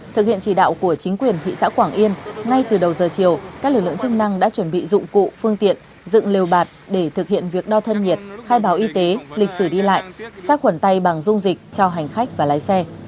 thực hiện chỉ đạo của chính quyền thị xã quảng yên ngay từ đầu giờ chiều các lực lượng chức năng đã chuẩn bị dụng cụ phương tiện dựng lều bạt để thực hiện việc đo thân nhiệt khai báo y tế lịch sử đi lại sát khuẩn tay bằng dung dịch cho hành khách và lái xe